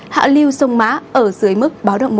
hạ lưu sông mã ở dưới mức báo động một